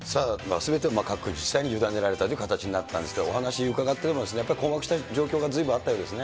すべてを各自治体に委ねられたという形になったんですけど、お話伺ってると、やっぱり、困惑した状況がずいぶんあったようですね。